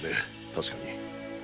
確かに。